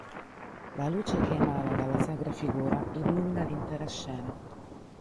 La luce che emana dalla sacra figura illumina l'intera scena.